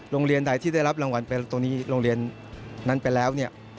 โรงเรียนใดที่ได้รับรางวัลไปตรงนี้โรงเรียนนั้นไปแล้วเนี่ย